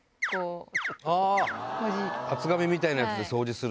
厚紙みたいなやつで掃除する。